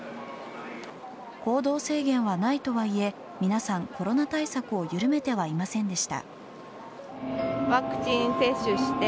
行動制限はないとはいえ皆さん、コロナ対策を緩めてはいませんでした。